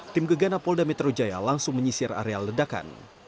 tim gegana polda metro jaya langsung menyisir area ledakan